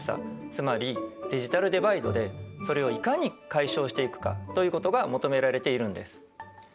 つまりデジタルデバイドでそれをいかに解消していくかということが求められているんです。